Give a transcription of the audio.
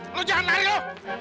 lo jangan lari lo